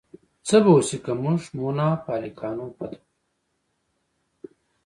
څه به وشي که موږ مونافالکانو فتح کړو؟